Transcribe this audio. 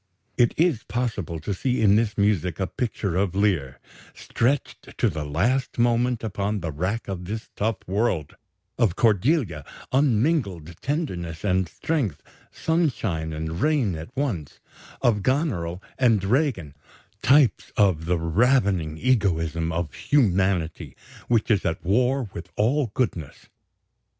It is possible to see in this music a picture of Lear, "stretched to the last moment upon the rack of this tough world"; of Cordelia, "unmingled tenderness and strength, sunshine and rain at once"; of Goneril and Regan, types of "the ravening egoism in humanity which is at war with all goodness."